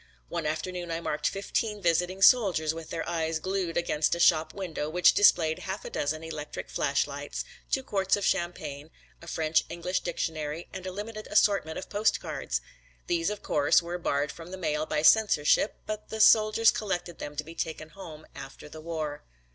One afternoon I marked fifteen visiting soldiers with their eyes glued against a shop window which displayed half a dozen electric flashlights, two quarts of champagne, a French English dictionary and a limited assortment of postcards. These, of course, were barred from the mail by censorship but the soldiers collected them to be taken home after the war.